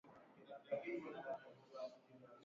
Mu tanganyika batu banasemaka Swahili ya muzuri